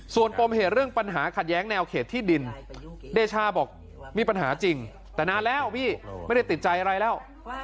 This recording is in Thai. ส่วนปมเหตุเรื่องปัญหาขัดแย้งแนวเขตที่ดินเดชาบอกมีปัญหาจริงแต่นานแล้วพี่ไม่ได้ติดใจอะไรแล้ว